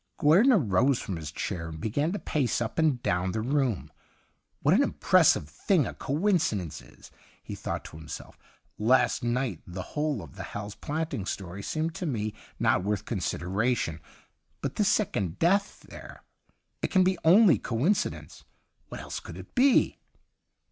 Guerdon arose from his chair and began to pace up and down the room ' What an impressive thing a coin cidence is !' he thought to himself. ' Last night the whole of the Hal's Planting story seemed to me not worth consideration. But this second death there — it can be only coinci dence. What else could it be